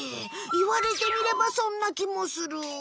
いわれてみればそんなきもする。